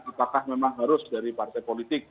apakah memang harus dari partai politik